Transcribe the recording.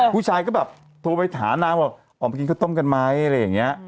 ผู้ชายก็แบบโทรไปถามนางว่าออกไปกินข้าวต้มกันไหมอะไรอย่างนี้